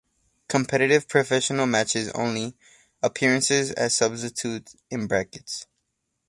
Competitive, professional matches only, appearances as substitute in brackets.